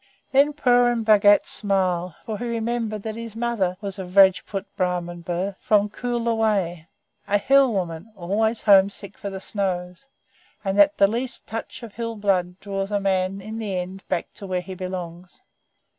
Then Purun Bhagat smiled, for he remembered that his mother was of Rajput Brahmin birth, from Kulu way a Hill woman, always home sick for the snows and that the least touch of Hill blood draws a man in the end back to where he belongs.